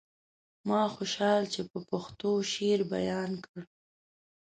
ما خوشحال چې په پښتو شعر بيان کړ.